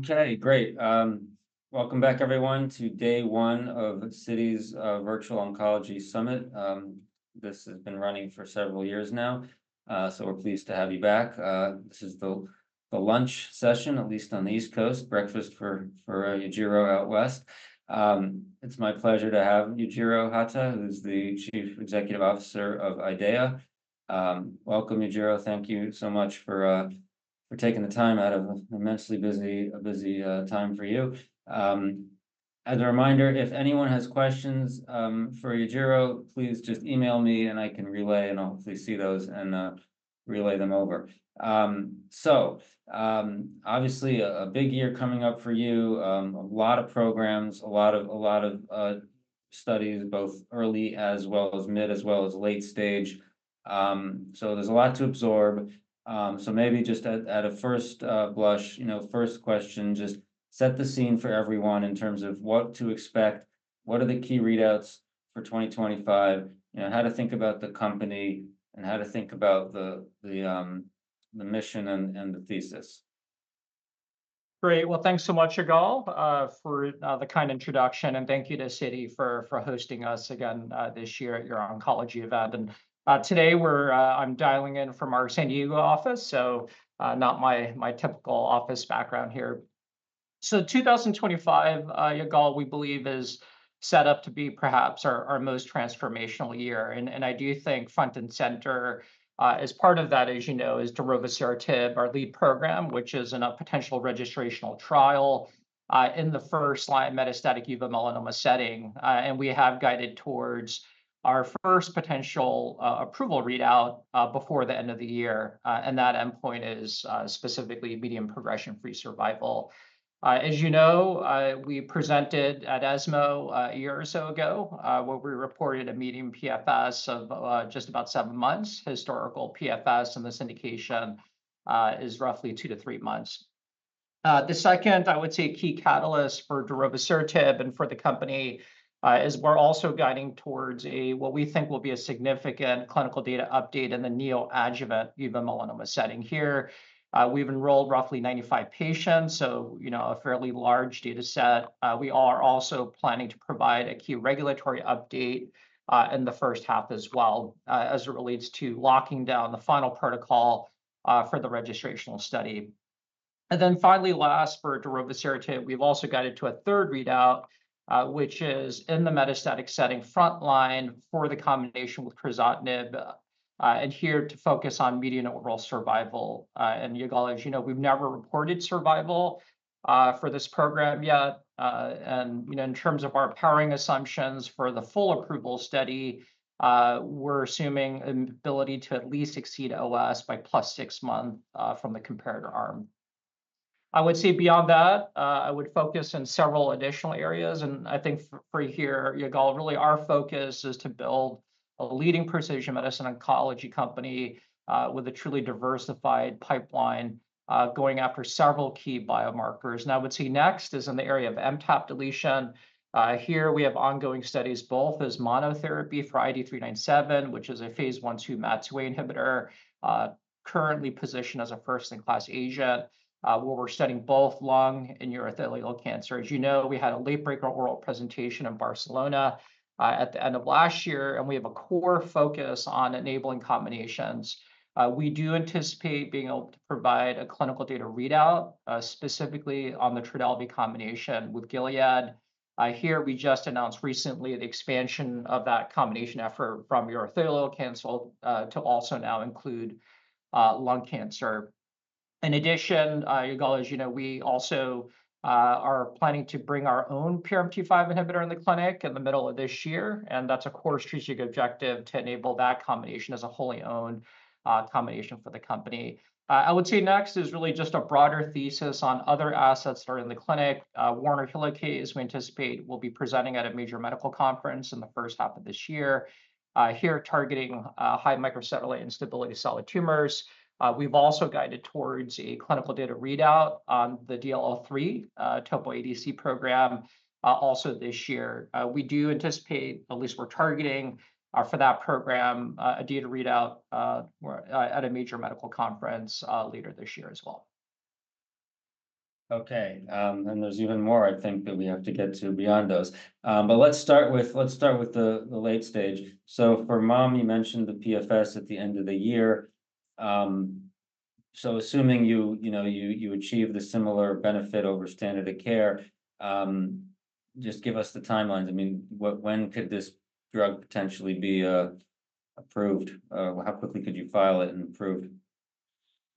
Okay, great. Welcome back, everyone to day one of Citi's Virtual Oncology Summit. This has been running for several years now. So we're pleased to have you back. This is the lunch session, at least on the East Coast, breakfast for Yujiro out west. It's my pleasure to have Yujiro Hata, who's the Chief Executive Officer of IDEAYA. Welcome, Yujiro. Thank you so much for taking the time out of an immensely busy. A busy time for you. As a reminder, if anyone has questions for Yujiro, please just email me, and I can relay and hopefully see those and relay them over. So obviously a big year coming up for you. A lot of programs, a lot of studies, both early as well as mid as well as late stage. So there's a lot to absorb. So maybe just at a first blush, you know, first question, just set the scene for everyone in terms of what to expect. What are the key readouts for 2025? You know, how to think about the company and how to think about the mission and the thesis. Great. Well, thanks so much, Yigal, for the kind introduction, and thank you to Citi for hosting us again this year at your oncology event. Today I'm dialing in from our San Diego office, so not my typical office background here. 2025, Yigal, we believe is set up to be perhaps our most transformational year, and I do think front and center. As part of that, as you know, is darovasertib, our lead program, which is in a potential registrational trial in the first-line metastatic uveal melanoma setting, and we have guided towards our first potential approval readout before the end of the year, and that endpoint is specifically median progression-free survival. As you know, we presented at ESMO a year or so ago, where we reported a median PFS of just about seven months. Historical, PFS in the indication is roughly two to three months. The second, I would say key catalyst for darovasertib, and for the company, is, we're also guiding towards what we think will be a significant clinical data update in the neoadjuvant uveal melanoma setting. Here, we've enrolled roughly 95 patients, so a fairly large data set. We are also planning to provide a key regulatory update in the first half as well as it relates to locking down the final protocol for the registrational study. And then finally last for darovasertib, we've also got a third readout which is in the metastatic setting, frontline for the combination with crizotinib where the focus on median overall survival. And Yigal, as you know, we've never reported survival for this program yet. In terms of our powering assumptions for the full approval study, we're assuming ability to at least exceed OS by plus six months from the comparator arm. I would say beyond that, I would focus on several additional areas, and I think for here, Yigal, really our focus is to build a leading precision medicine oncology company with a truly diversified pipeline going after several key biomarkers. Now, what's next is in the area of MTAP deletion. Here we have ongoing studies both as monotherapy for IDE397, which is a phase I/II MAT2A inhibitor currently positioned as a first-in-class agent, where we're studying both lung and urothelial cancer. As you know, we had a late breaker oral presentation in Barcelona at the end of last year and we have a core focus on enabling combinations. We do anticipate being able to provide a clinical data readout specifically on the Trodelvy combination with Gilead here. We just announced recently the expansion of that combination effort from urothelial cancer to also now include lung cancer. In addition, Yigal, as you know, we also are planning to bring our own PRMT5 inhibitor in the clinic in the middle of this year. And that's a core strategic objective to enable that combination as a wholly owned combination for the company. I would say next is really just a broader thesis on other assets that are in the clinic. Werner helicase, as we anticipate, will be presenting at a major medical conference in the first half of this year here targeting high microsatellite instability solid tumors. We've also guided towards a clinical data readout on the DLL3 Topo ADC program also this year. We do anticipate, at least we're targeting for that program, a data readout at a major medical conference later this year as well. Okay, and there's even more I think that we have to get to beyond those. But let's start with the late stage. So for MTAP, you mentioned the PFS at the end of the year. So assuming you know, you achieve the similar benefit over standard of care. Just give us the timelines. I mean, when could this drug potentially be approved? How quickly could you file it and approved?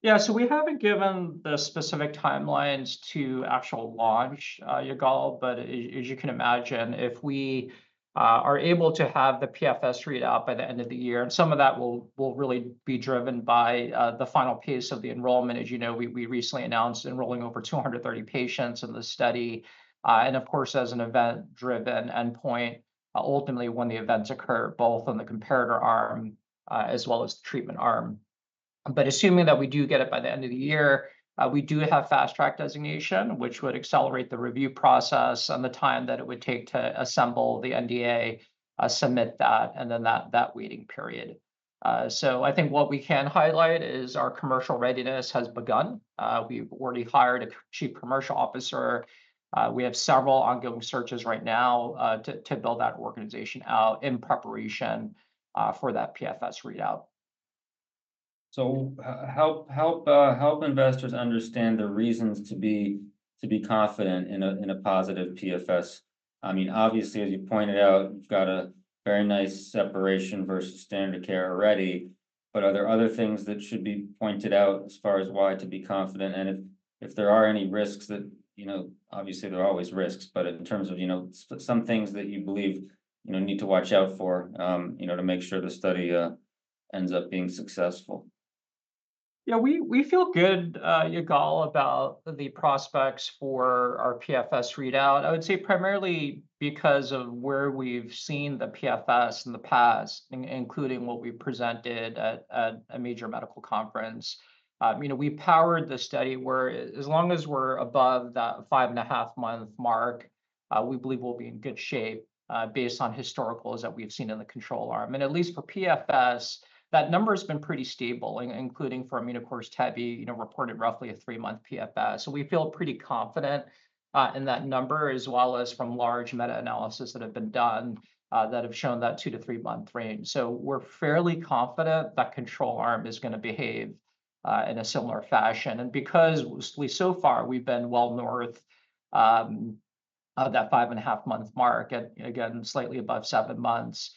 Yeah, so we haven't given the specific timelines to actual launch, Yigal, but as you can imagine, if we are able to have the PFS readout by the end of the year and some of that will really be driven by the final piece of the enrollment. As you know, we recently announced enrolling over 230 patients in the study. And of course as an event driven endpoint, ultimately when the events occur both on the comparator arm as well as the treatment arm, but assuming that we do get it by the end of the year, we do have Fast Track designation which would accelerate the review process and the time that it would take to assemble the NDA, submit that, and then that waiting period. So I think what we can highlight is our commercial readiness has begun. We've already hired a chief commercial officer. We have several ongoing searches right now to build that organization out in preparation for that PFS readout. So help investors understand the reasons to be confident in a positive PFS. I mean obviously as you pointed out, you've got a very nice separation versus standard care already. But are there other things that should be pointed out as far as why to be confident and if there are any risks that, you know, obviously there are always risks, but in terms of, you know, some things that you believe, you know, need to watch out for, you know, to make sure the study ends up being successful? Yeah, we feel good, Yigal, about the prospects for our PFS readout. I would say primarily because of where we've seen the PFS in the past, including what we presented at a major medical conference. We powered the study where as long as we're above that five and a half month mark, we believe we'll be in good shape based on historicals that we've seen in the control arm. And at least for PFS that number has been pretty stable including for Immunocore. Tebentafusp reported roughly a three-month PFS. So we feel pretty confident in that number as well as from large meta-analyses that have been done that have shown that two-to three-month range. So we're fairly confident that control arm is going to behave in a similar fashion. And because so far we've been well north. Of that five and a half month mark and again slightly above seven months,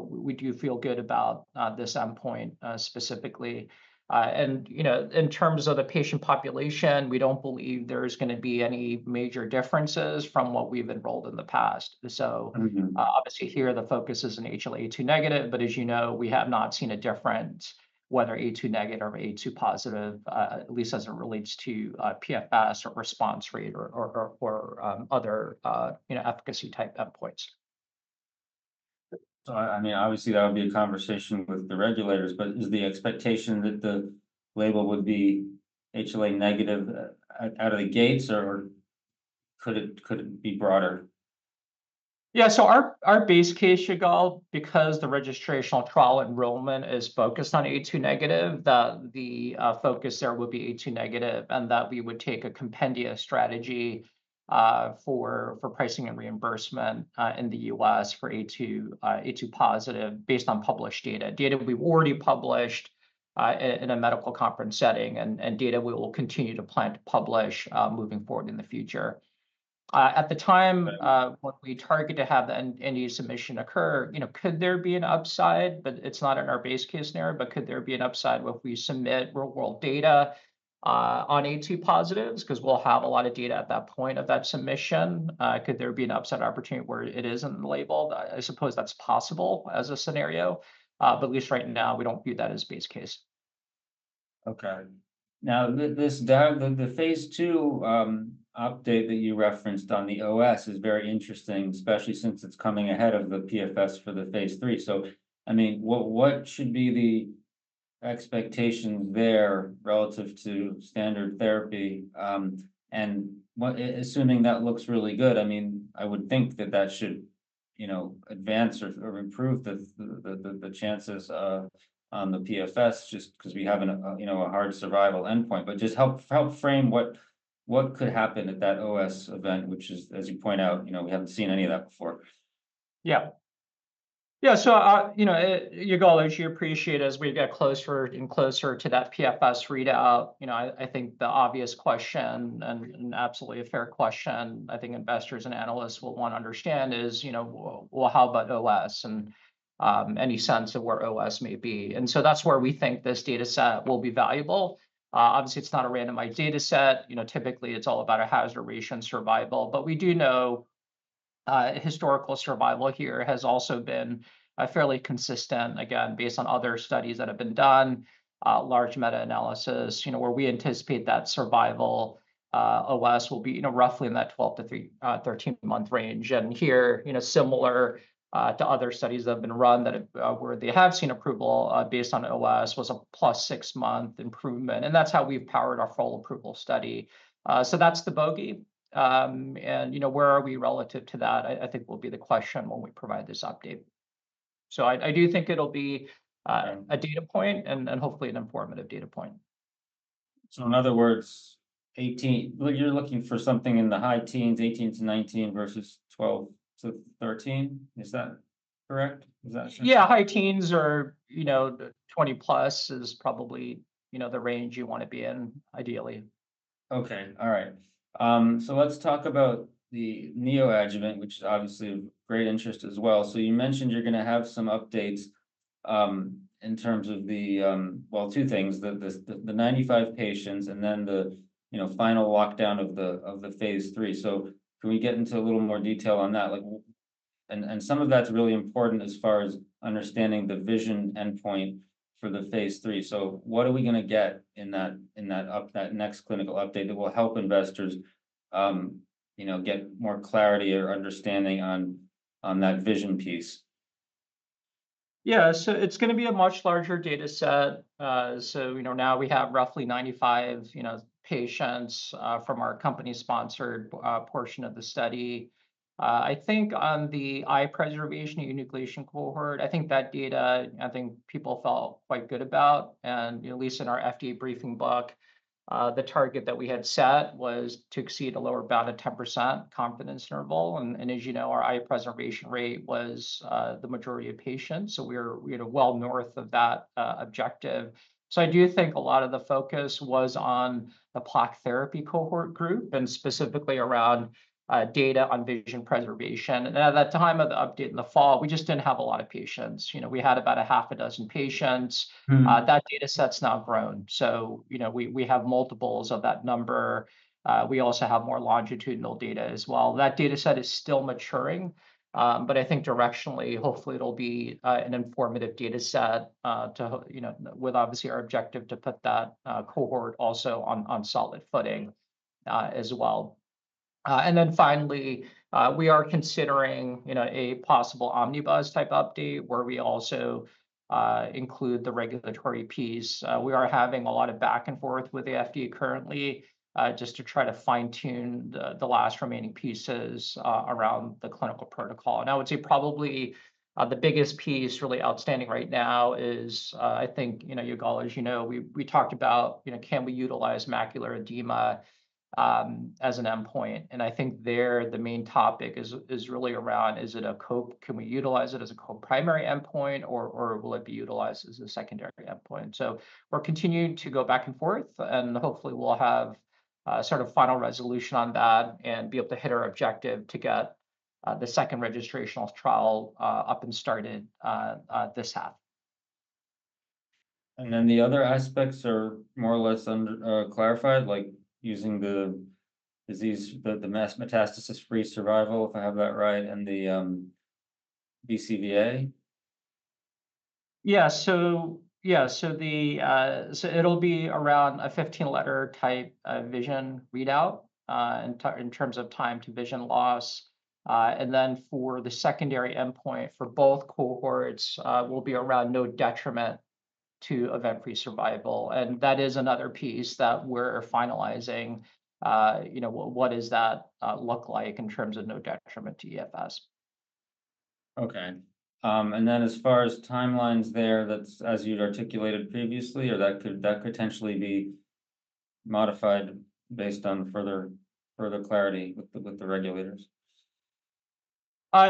we do feel good about this endpoint specifically. And you know, in terms of the patient population, we don't believe there's going to be any major differences from what we've enrolled in the past. So obviously here the focus is in HLA-A2 negative, but as you know, we have not seen a difference whether A2-negative or A2-positive at least as it relates to PFS or response rate or other efficacy type endpoints. So I mean obviously that would be a conversation with the regulators. But is the expectation that the label would be HLA negative out of the gates or could it be broader? Yeah, so our base case you know. Because the registrational trial enrollment is focused on HLA-A2 negative, that the focus there would be HLA-A2 negative and that we would take a compendia strategy for pricing and reimbursement in the U.S. for HLA-A2 positive based on published data, data we've already published in a medical conference setting and data we will continue to plan to publish moving forward in the future. And at the time when we target to have the NDA submission occur, could there be an upside? But it's not in our base case scenario. But could there be an upside if we submit real world data on HLA-A2 positives? Because we'll have a lot of data at that point of that submission. Could there be an upside opportunity where it isn't labeled? I suppose that's possible as a scenario, but at least right now we don't view that as base case. Okay, now this, the phase II update that you referenced on the OS is very interesting, especially since it's coming ahead of the PFS for the phase III. So I mean, what should be the expectations there relative to standard therapy and assuming that looks really good? I mean, I would think that that should, you know, advance or improve the chances on the PFS just because we have, you know, a hard survival endpoint, but just help frame what could happen at that OS event, which is, as you point out, you know, we haven't seen any of that before. Yeah, yeah. So, you know, you'll also appreciate, as we get closer and closer to that PFS readout, you know, I think the obvious question, and absolutely a fair question I think investors and analysts will want to understand is, you know, well, how about OS and any sense of where OS may be. And so that's where we think this data set will be valuable. Obviously it's not a randomized data set. You know, typically it's all about a hazard ratio survival. But we do know historical survival here has also been fairly consistent, again based on other studies that have been done, large meta-analysis, you know, where we anticipate that survival OS will be, you know, roughly in that 12- to 13-month range. Here, you know, similar to other studies that have been run, that where they have seen approval based on OS was a plus six month improvement. That's how we've powered our fall approval study. That's the bogey. You know, where are we relative to that, I think, will be the question when we provide this update. I do think it'll be a data point and hopefully an informative data point. In other words, 18, you're looking for something in the high teens, 18 to 19 versus 20, 12 to 13, is that correct? Yeah, high teens are, you know, 20 plus is probably, you know, the range you want to be in ideally. Okay. All right, so let's talk about the neoadjuvant, which is obviously great interest as well. So you mentioned you're going to have some updates in terms of the, well, two things, the 95 patients and then the now final lockdown of the phase III. So can we get into a little more detail on that, like. And some of that's really important as far as understanding the vision endpoint for the phase III. So what are we going to get in that update, that next clinical update that will help investors, you know, get more clarity or understanding on that vision piece? Yeah, so it's going to be a much larger data set. So, you know, now we have roughly 95, you know, patients from our company sponsored portion of the study, I think on the eye preservation enucleation cohort. I think that data I think people felt quite good about. And at least in our FDA briefing book, the target that we had set was to exceed a lower bound of 10% confidence interval. And as you know, our eye preservation rate was the majority of patients. So we're well north of that objective. So I do think a lot of the focus was on the plaque therapy cohort group and specifically around data on vision preservation. And at that time of the update in the fall, we just didn't have a lot of patients. You know, we had about a half a dozen patients. That data set's now grown. So you know, we have multiples of that number. We also have more longitudinal data as well. That dataset is still maturing, but I think directionally hopefully it'll be an informative data set to you know, with obviously our objective to put that cohort also on solid footing as well. And then finally we are considering a possible omnibus-type update where we also include the regulatory piece. We are having a lot of back and forth with the FDA currently just to try to fine-tune the last remaining pieces around the clinical protocol. And I would say probably the biggest piece really outstanding right now is I think you've all, as you know, we talked about can we utilize macular edema as an endpoint. And I think there, the main topic is really around. Is it a co-primary, can we utilize it as a co-primary endpoint or will it be utilized as a secondary endpoint? So we're continuing to go back and forth and hopefully we'll have sort of final resolution on that and be able to hit our objective to get the second registrational trial up and started this half. The other aspects are more or less clarified, like using the disease, the metastasis-free survival, if I have that right, and the BCVA. It'll be around a 15-letter-type vision readout in terms of time to vision loss. And then for the secondary endpoint for both cohorts will be around no detriment to event-free survival. And that is another piece that we're finalizing. You know, what does that look like in terms of no detriment to EFS? Okay. And then as far as timelines there, that's as you'd articulated previously. Or that could potentially be modified based on further clarity with the regulators?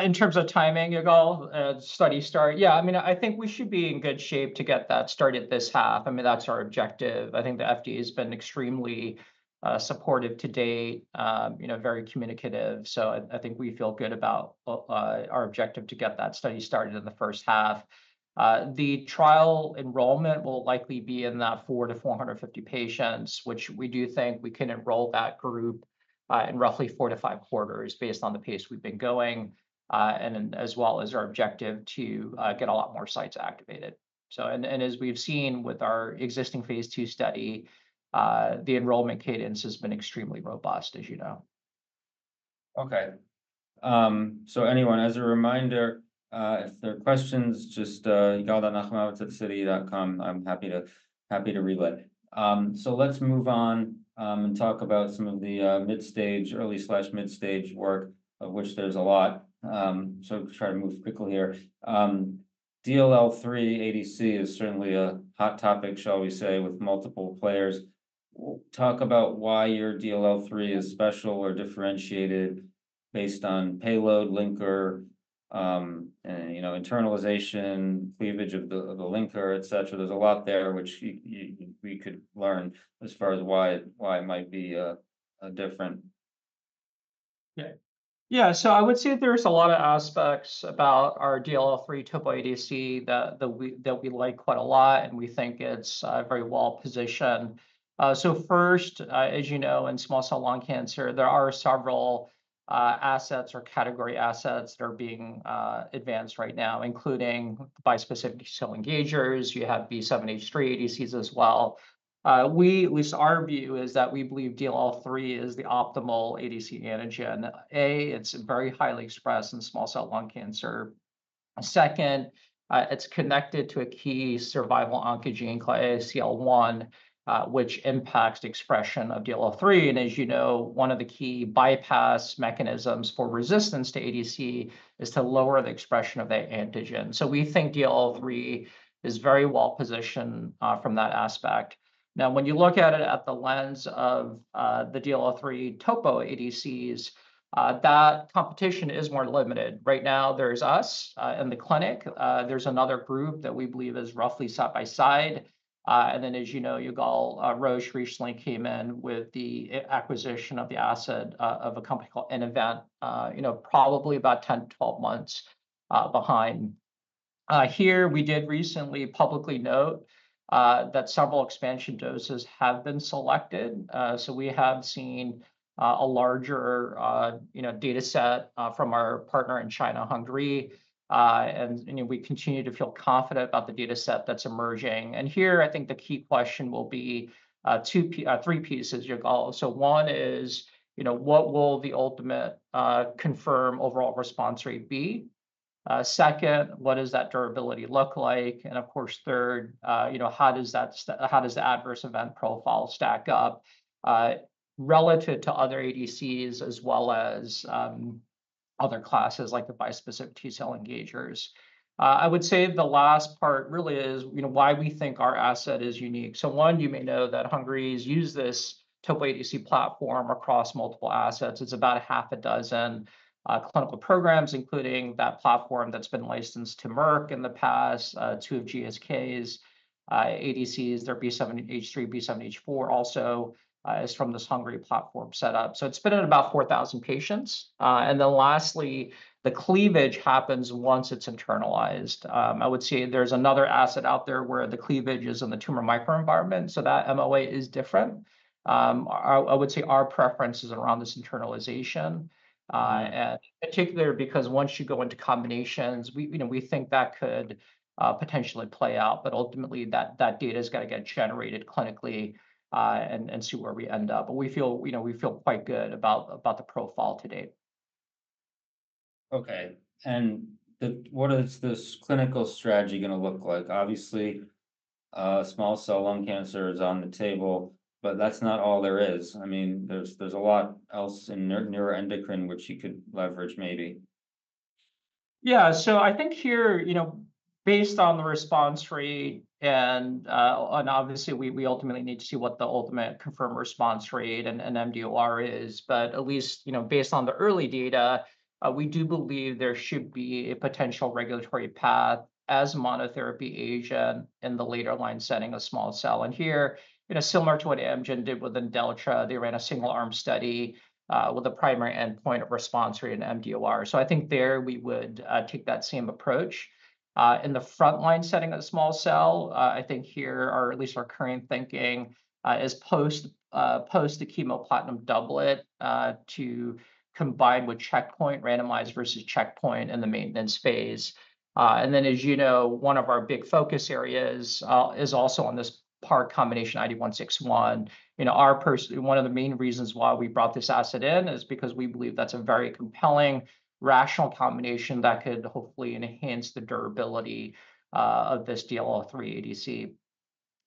In terms of timing, you go, study start. Yeah, I mean, I think we should be in good shape to get that started this half. I mean, that's, I think the FDA has been extremely supportive to date. You know, very communicative. So I think we feel good about our objective to get that study started in the first half. The trial enrollment will likely be in that four to 450 patients, which we do think we can enroll that group in roughly four to five quarters based on the pace we've been going and as well as our objective to get a lot more sites activated. So. And as we've seen with our existing phase II study, the enrollment cadence has been extremely robust, as you know. Okay, so anyone, as a reminder, if there are questions, just. I'm happy to relay. So let's move on and talk about some of the mid-stage, early mid-stage work, of which there's a lot. So try to move quickly here. DLL3 ADC is certainly a hot topic, shall we say, with multiple players. Talk about why your DLL3 is special or differentiated based on payload linker, you know, internalization, cleavage of the linker, etc. There's a lot there which we could learn as far as why it might be different? Yeah, yeah. So I would say there's a lot of aspects about our DLL3 Topo ADC that we, that we like quite a lot and we think it's very well positioned. So first, as you know, in small cell lung cancer, there are several assets or category assets that are being advanced right now, including bispecific cell engagers. You have B7-H3 ADCs as well. We, at least our view is that we believe DLL3 is the optimal ADC antigen, a it's very highly expressed in small cell lung cancer. Second, it's connected to a key survival oncogene ASCL1 which impacts expression of DLL3. And as you know, one of the key bypass mechanisms for resistance to ADC is to lower the expression of that antigen. So we think DLL3 is very well positioned from that aspect. Now when you look at it at the lens of the DLL3 Topo ADCs, that competition is more limited right now. There's us in the clinic, there's another group that we believe is roughly side by side. And then as you know, Roche recently came in with the acquisition of the asset of a company called nVent. You know, probably about 10, 12 months behind here. We did recently publicly note that several expansion doses have been selected. So we have seen a larger data set from our partner in China, Hengrui and we continue to feel confident about the data set that's emerging. And here I think the key question will be three pieces. One is what will the ultimate confirmed overall response rate be? Second, what does that durability look like? And of course third, you know, how does that, how does the adverse event profile stack up relative to other ADCs as well as other classes like the bispecific T cell engagers? I would say the last part really is, you know, why we think our asset is unique. So one, you may know that Hengrui's used this Topo-ADC platform across multiple assets. It's about a half a dozen clinical programs including that platform that's been licensed to Merck in the past. Two of GSK's ADCs, their B7-H3, B7-H4 also is from this Hengrui platform set up. So it's been in about 4,000 patients. And then lastly the cleavage happens once it's internalized. I would say there's another asset out there where the cleavage is in the tumor microenvironment. So that MOA is different. I would say our preference is around this internalization in particular because once you go into combinations, we think that could potentially play out. But ultimately that data is going to get generated clinically and we'll see where we end up. But we feel quite good about the profile to date. Okay, and what is this clinical strategy going to look like? Obviously small cell lung cancer is on the table. But that's not all there is. I mean there's a lot else in neuroendocrine which you could leverage maybe. Yeah. So I think here you know based on the response rate and obviously we ultimately need to see what the ultimate confirmed response rate and mDOR is. But at least you know based on the early data we do believe there should be a potential regulatory path as monotherapy agent in the later line setting in small cell. And here you know similar to what Amgen did within Imdelltra, they ran a single-arm study with a primary endpoint response rate and mDOR. So I think there we would take that same approach in the frontline setting of the small cell. I think here or at least our current thinking is post the chemo platinum doublet to combine with checkpoint randomized versus checkpoint in the maintenance phase. Then, as you know, one of our big focus areas is also on this PARP combination IDE161 in our portfolio. One of the main reasons why we brought this asset in is because we believe that's a very compelling rationale combination that could hopefully enhance the durability of this DLL3 ADC.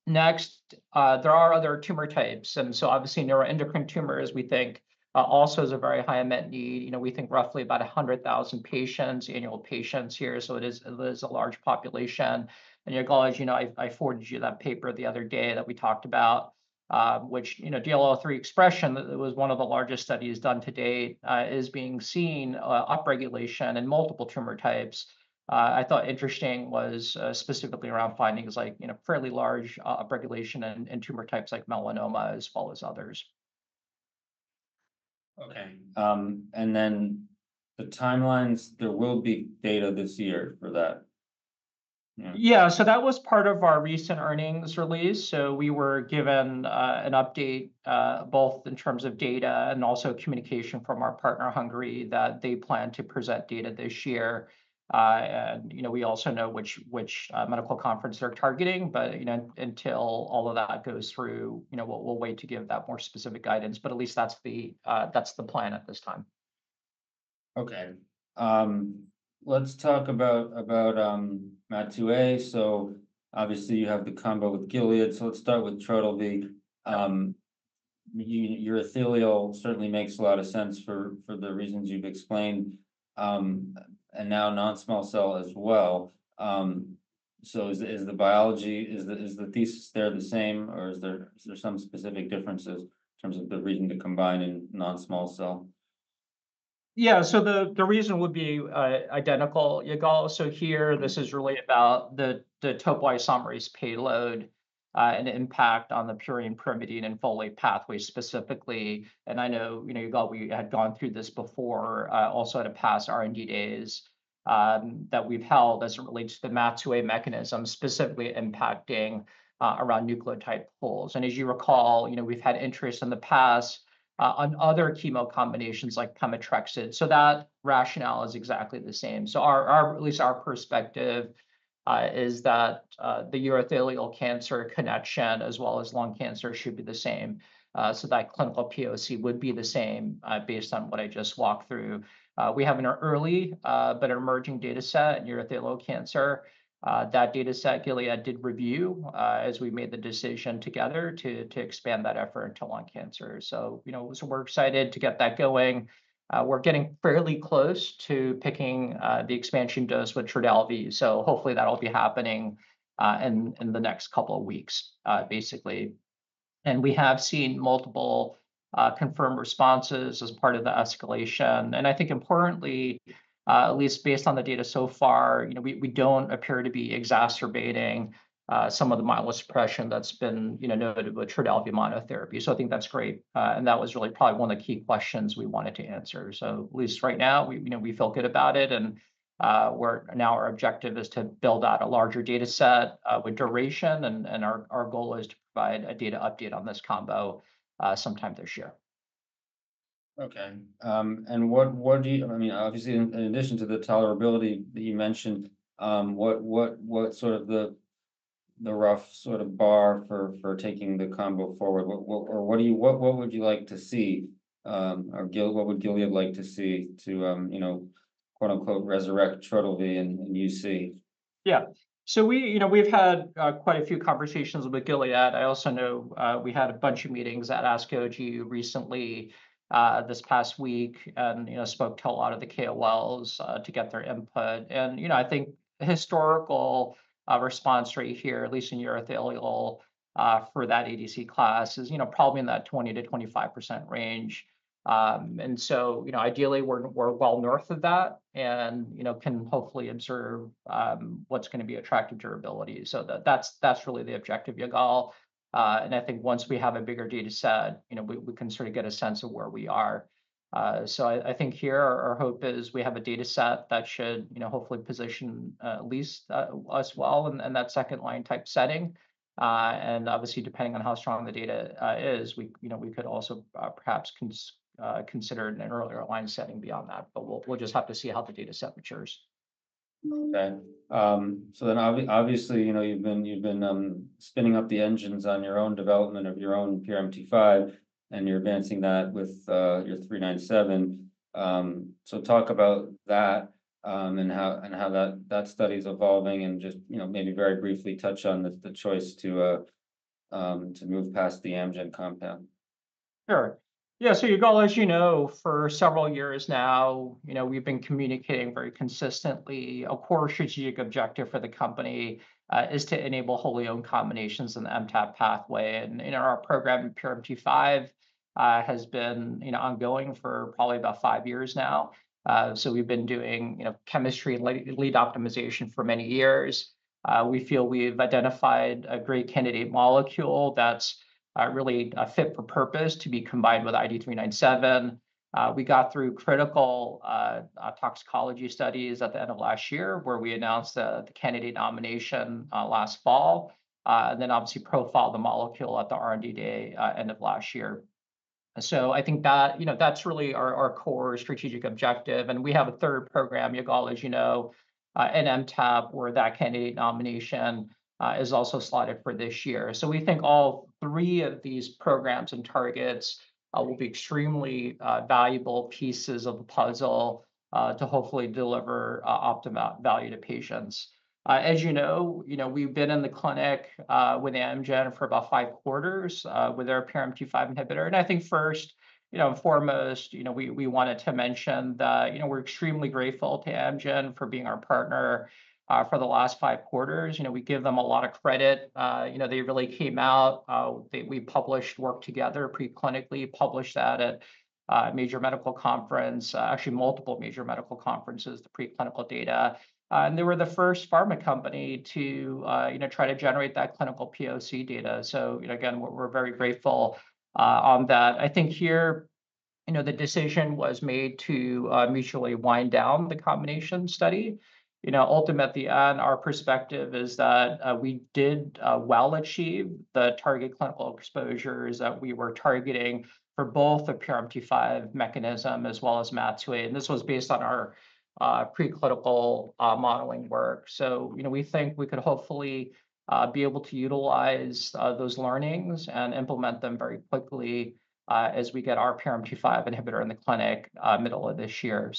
Next, there are other tumor types, and so obviously neuroendocrine tumors we think also is a very high unmet need. You know, we think roughly about 100,000 patients annually here. So it is a large population. And as you know, I forwarded you that paper the other day that we talked about, which you know DLL3 expression was one of the largest studies done to date is being seen upregulation in multiple tumor types. I thought interesting was specifically around findings like you know fairly large upregulation in tumor types like melanoma as well as others. Okay and then the timelines there will be data this year for that. Yeah, so that was part of our recent earnings release. So we were given an update both in terms of data and also communication from our partner Hengrui that they plan to present data this year. And you know we also know which medical conference they're targeting. But you know until all of that goes through you know we'll wait to give that more specific guidance. But at least that's the plan at this time. Okay, let's talk about MAT2A. So obviously you have the combo with Gilead so let's start with Trodelvy. Your rationale certainly makes a lot of sense for the reasons you've explained and now non-small cell as well. So is the biology the thesis there the same or is there some specific differences in terms of the reason to combine in non-small cell? Yeah, so the reason would be identical. So here this is really about the topoisomerase payload and the impact on the purine, pyrimidine and folate pathways specifically. And I know you had gone through this before also at a past R&D days that we've held as it relates to the MAT2A mechanism specifically impacting around nucleotide pools. As you recall, we've had interest in the past on other chemo combinations like pemetrexed. That rationale is exactly the same. At least our perspective is that the urothelial cancer connection as well as lung cancer should be the same. That clinical POC would be the same. Based on what I just walked through, we have an early but emerging data set urothelial cancer. That data set Gilead did review as we made the decision together to expand that effort into lung cancer. We're excited to get that going. We're getting fairly close to picking the expansion dose with Trodelvy. Hopefully that'll be happening in the next couple of weeks. Basically we have seen multiple confirmed responses as part of the escalation. And I think importantly, at least based on the data so far, we don't appear to be exacerbating some of the myelosuppression that's been noted with Trodelvy monotherapy. I think that's great. And that was really probably one of the key questions we wanted to answer. At least right now we feel good about it. And now our objective is to build out a larger data set with duration. And our goal is to provide a data update on this combo sometime this year. Okay, and what do you? I mean, obviously, in addition to the tolerability that you mentioned, what sort of rough bar for taking the combo forward? Or what would you like to see? Or Gilead, what would Gilead like to see to, you know, quote unquote, resurrect Trodelvy and UC. Yeah, so we, you know, we've had quite a few conversations with Gilead. I also know we had a bunch of meetings at ASCO recently this past week and spoke to a lot of the KOLs to get their input. And I think historical response rate here, at least in urothelial for that ADC class is probably in that 20%-25% range. And so ideally we're well north of that and can hopefully observe what's going to be attractive durability. So that's really the objective you've all. And I think once we have a bigger data set, we can sort of get a sense of where we are. So I think here our hope is we have a data set that should hopefully position at least us well in that second line type setting. Obviously depending on how strong the data is, we could also perhaps consider an earlier line setting beyond that. We'll just have to see how the data set matures. So then obviously, you know, you've been spinning up the engines on your own development of your own PRMT5 and you're advancing that with your IDE397. So talk about that and how and how that study is evolving and just, you know, maybe very briefly touch on the choice to move past the Amgen compound. Sure, yeah. So Yigal, as you know, for several years now, you know, we've been communicating very consistently a core strategic objective for the company is to enable wholly owned combinations in the MTAP pathway. And our program, PRMT5, has been ongoing for probably about five years now. So we've been doing chemistry and lead optimization for many years. We feel we've identified a great candidate molecule that's really fit for purpose to be combined with IDE397. We got through critical toxicology studies at the end of last year where we announced the candidate nomination last fall and then obviously profiled the molecule at the R&D Day end of last year. So I think that that's really our core strategic objective. And we have a third program, Yigal, as you know, an MTAP where that candidate nomination is also slotted for this year. So we think all three of these programs and targets will be extremely valuable pieces of the puzzle to hopefully deliver optimal value to patients. As you know, we've been in the clinic with Amgen for about five quarters with our PRMT5 inhibitor. And I think first and foremost we wanted to mention that we're extremely grateful to Amgen for being our partner for the last five quarters. We give them a lot of credit. They really came out. We published work together preclinically published that at major medical conference, actually multiple major medical conferences throughout preclinical data and they were the first pharma company to try to generate that clinical POC data. So again we're very grateful on that. I think here the decision was made to mutually wind down the combination study. Ultimately our perspective is that we did well achieve the target clinical exposures that we were targeting for both the PRMT5 mechanism as well as MAT2A, and this was based on our preclinical modeling work, so you know we think we could hopefully be able to utilize those learnings and implement them very quickly as we get our PRMT5 inhibitor in the clinic middle of this year.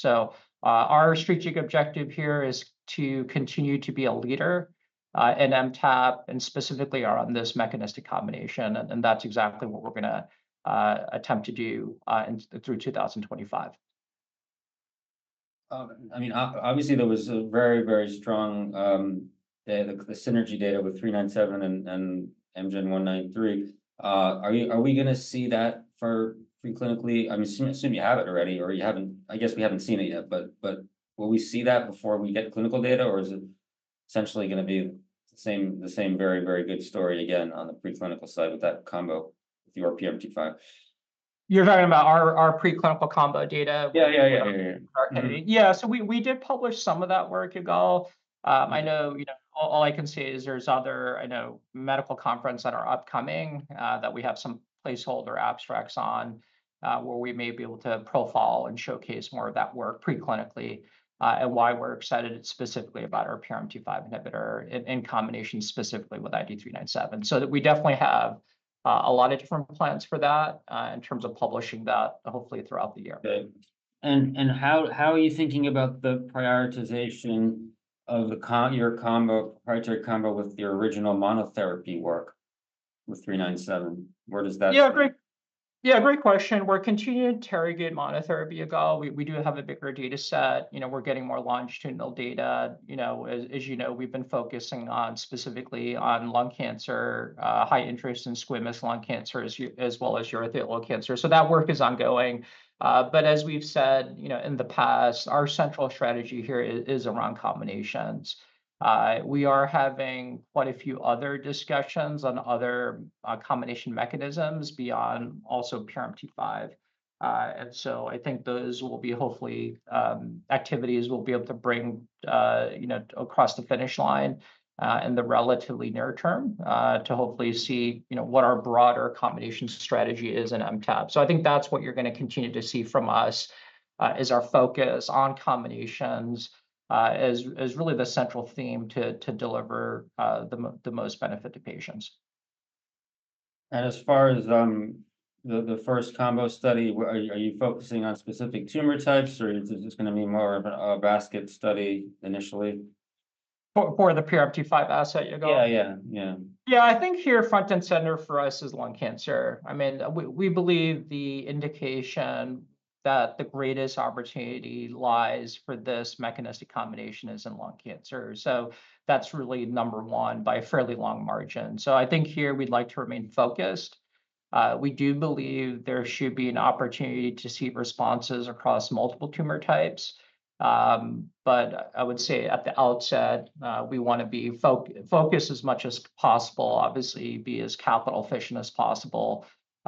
Our strategic objective here is to continue to be a leader in MTAP and specifically are on this mechanistic combination, and that's exactly what we're going to attempt to do through 2025. I mean, obviously there was a very, very strong synergy data with IDE397 and AMG 193. Are we going to see that for preclinical? I assume you have it already or you haven't. I guess we haven't seen it yet. But will we see that before we get clinical data or is it essentially going to be the same very, very good story again on the preclinical side with that combo with your PRMT5? You're talking about our preclinical combo data? Yeah, yeah, yeah, yeah. So we did publish some of that work. You know. I know. All I can say is there's other, you know, medical conferences that are upcoming that we have some placeholder abstracts on where we may be able to profile and showcase more of that work preclinically and why we're excited specifically about our PRMT5 inhibitor in combination specifically with IDE397 so that we definitely have a lot of different plans for that in terms of publishing that hopefully throughout the year. How are you thinking about the prioritization of your proprietary combo with the original monotherapy work with 397? Where does that. Yeah, yeah, great question. We're continuing to interrogate monotherapy data. We do have a bigger data set. You know, we're getting more longitudinal data. You know, as you know we've been focusing on specifically on lung cancer, high interest in squamous lung cancer as well as urothelial cancer. So that work is ongoing. But as we've said in the past, our central strategy here is around combinations. We are having quite a few other discussions on other combination mechanisms beyond also PRMT5 and so I think those will be hopefully activities we'll be able to bring across the finish line in the relatively near term to hopefully see what our broader combination strategy is in MTAP. So I think that's what you're going to continue to see from us is our focus on combinations as really the central theme to deliver the most benefit to patients. As far as the first combo study, are you focusing on specific tumor types, or is this going to be more of a basket study initially for? The PRMT5 asset. You know, yeah. I think here, front and center for us is lung cancer. I mean, we believe the indication that the greatest opportunity lies for this mechanistic combination is in lung cancer, so that's really number one by fairly long margin, so I think here we'd like to remain focused. We do believe there should be an opportunity to see responses across multiple tumor types. But I would say at the outset, we want to be focused as much as possible, obviously be as capital efficient as possible,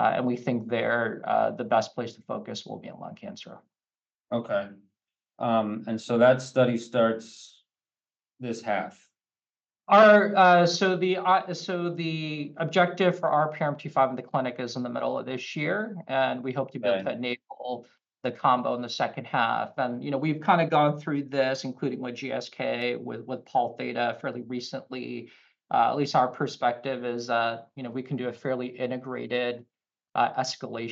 and we think there, the best place to focus will be in lung cancer. Okay, and so that study starts this half. The objective for our PRMT5 in the clinic is in the middle of this year, and we hope to be able to enable the combo in the second half. You know, we've kind of gone through this, including with GSK, with Pol Theta, fairly recently at least. Our perspective is we can do a fairly integrated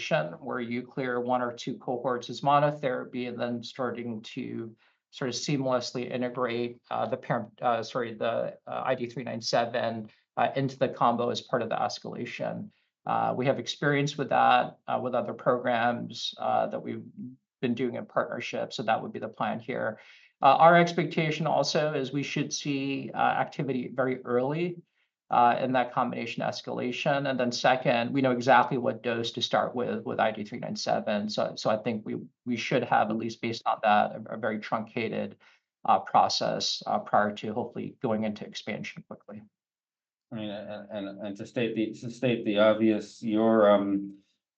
escalation where you clear one or two cohorts as monotherapy and then starting to seamlessly integrate the IDE397 into the combo as part of the escalation. We have experience with that with other programs that we've been doing in partnership. That would be the plan here. Our expectation also is we should see activity very early in that combination escalation. Then second, we know exactly what dose to start with with IDE397. So I think we should have, at least based on that, a very truncated process prior to hopefully going into expansion quickly. And to state the obvious, your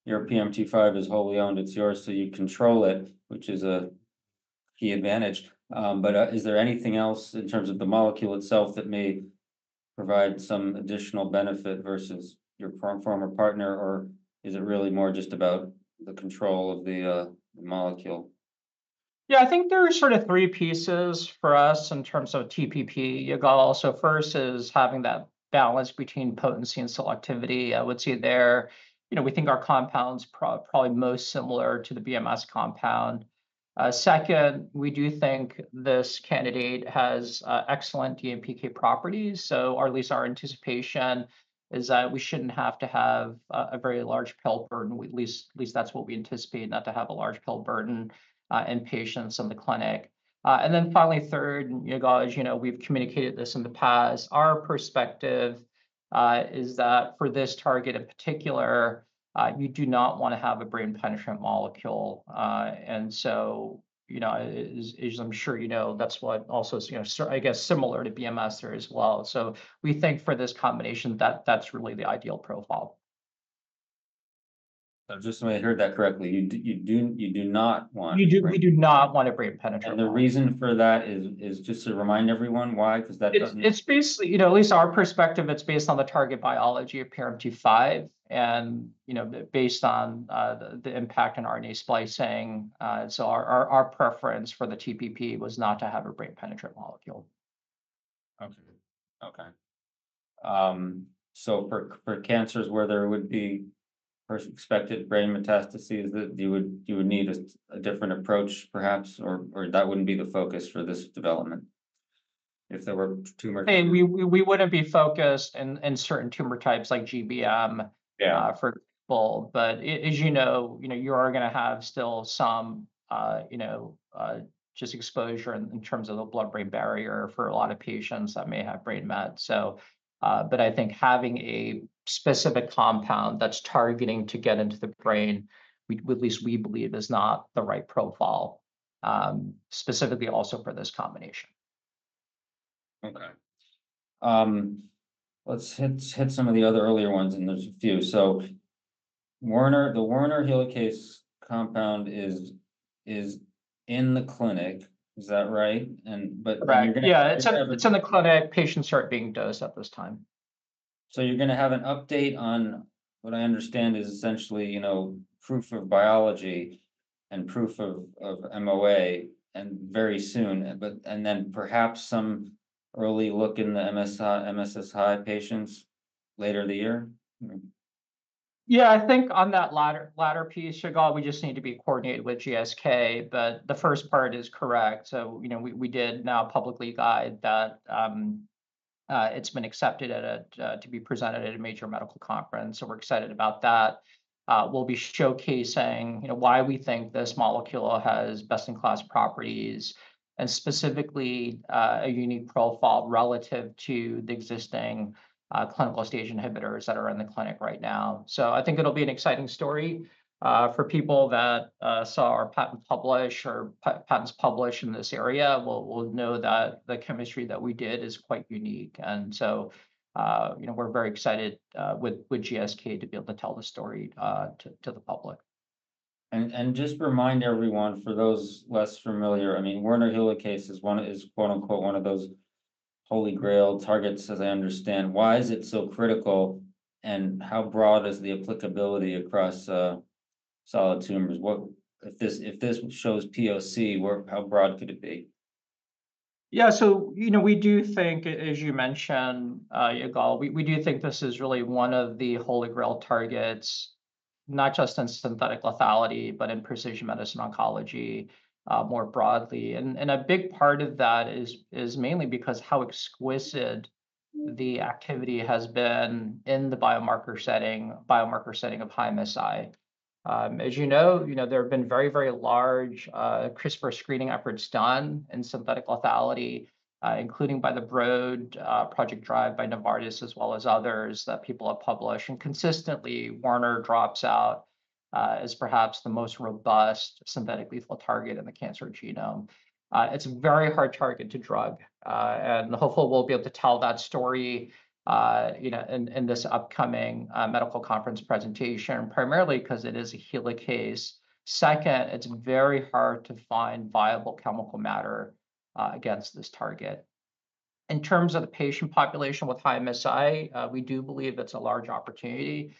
PRMT5 is wholly owned. It's yours, so you control it, which is a key advantage. But is there anything else in terms of the molecule itself that may provide some additional benefit versus your former partner, or is it really more just about the control of the molecule? Yeah, I think there are sort of three pieces for us in terms of TPP. Yigal, also, first is having that balance between potency and selectivity. I would say there, you know, we think our compound's probably most similar to the BMS compound. Second, we do think this candidate has excellent DMPK properties. So at least our anticipation is that we shouldn't have to have a very large pill burden. At least that's what we anticipate not to have a large pill burden in patients in the clinic. And then finally, third, Yigal, we've communicated this in the past. Our perspective is that for this target in particular, you do not want to have a brain-penetrant molecule. And so as I'm sure you know, that's what also I guess similar to BMS there as well. So we think for this combination that's really the ideal profile. Just so everybody heard that correctly. You do not want, We do not want a brain penetrating. And the reason for that is just to remind everyone why because that doesn't. It's basically, you know, at least our perspective. It's based on the target biology of PRMT5 and you know, based on the impact in RNA splicing. So our preference for the TPP was not to have a brain penetrant molecule. Okay. Okay. For cancers where there would be expected brain metastases that you would need a different approach perhaps or that wouldn't be the focus for this development if there were tumors. And we wouldn't be focused in certain tumor types like GBM for people. But as you know, you are going to have still some, you know, just exposure in terms of the blood-brain barrier for a lot of patients that may have brain met. But I think having a specific compound that's targeting to get into the brain at least we believe is not the right profile specifically also for this combination. Okay. Let's hit some of the other earlier ones and there's a few. So Werner, the Werner helicase compound is in the clinic. Is that right? It's in the clinic. Patients start being dosed at this time. You're going to have an update on what I understand is essentially, you know, proof of biology and proof of MOA very soon, but and then perhaps some early look in the MSI/MSS patients later in the year. Yeah, I think on that latter piece, Yigal, we just need to be coordinated with GSK. But the first part is correct. So you know, we did now publicly guide that it's been accepted and it's to be presented at a major medical conference. So we're excited about that. We'll be showcasing, you know, why we think this molecule has best in class properties and specifically a unique profile relative to the existing clinical stage inhibitors that are in the clinic right now. So I think it'll be an exciting story for people that saw our patent publish or patents published in this area. They'll know that the chemistry that we did is quite unique. And so you know, we're very excited with GSK to be able to tell the story to the public And just remind everyone for those less familiar, I mean Werner helicase is one, quote unquote, one of those holy grail targets, as I understand. Why is it so critical? And how broad is the applicability across solid tumors? If this shows POC, how broad could it be? Yeah, so you know, we do think, as you mentioned Yigal, we do think this is really one of the holy grail targets, not just in synthetic lethality, but in precision medicine, oncology more broadly, and a big part of that is mainly because how exquisite the activity has been in the biomarker setting of high MSI. As you know, there have been very, very large CRISPR screening efforts done in synthetic lethality, including by the Broad Project DRIVE by Novartis as well as others that people have published and consistently. Werner drops out is perhaps the most robust synthetic lethal target in the cancer genome. It's a very hard target to drug and hopefully we'll be able to tell that story. In this upcoming medical conference presentation, primarily because it is a helicase. Second, it's very hard to find viable chemical matter against this target. In terms of the patient population with high MSI, we do believe that's a large opportunity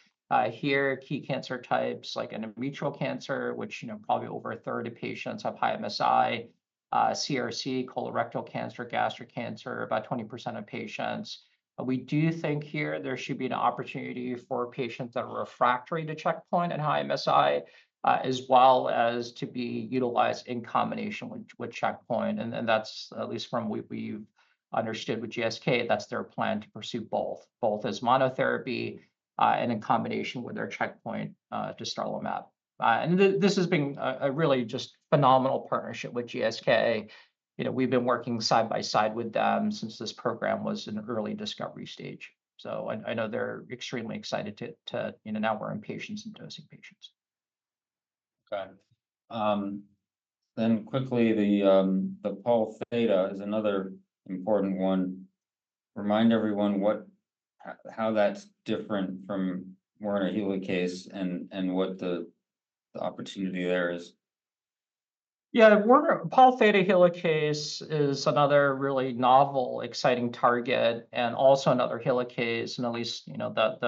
here. Key cancer types like endometrial cancer, which probably over a third of patients have high MSI, CRC, colorectal cancer, gastric cancer, about 20% of patients. We do think here there should be an opportunity for patients that are refractory to checkpoint and high MSI as well as to be utilized in combination with checkpoint. And that's at least from what we've understood with GSK. That's their plan to pursue both, both as monotherapy and in combination with their checkpoint dostarlimab. And this has been a really just phenomenal partnership with GSK. You know, we've been working side by side with them since this program was an early discovery stage. So I know they're extremely excited to, you know, now we're in patients and dosing patients. Okay. Quickly, the Pol Theta is another important one. Remind everyone what, how that's different from Werner helicase and what the opportunity there is. Yeah, Pol Theta helicase is another really novel, exciting target and also another helicase. And at least you know that